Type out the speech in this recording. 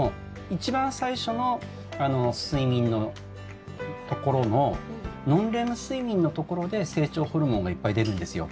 一番最初の睡眠のところのノンレム睡眠のところで成長ホルモンがいっぱい出るんですよ。